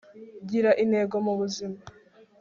gira intego mu buzima